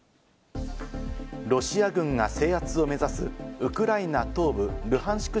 ロシア軍が制圧を目指すウクライナ東部ルハンシク